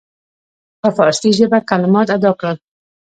په فارسي ژبه کلمات ادا کړل.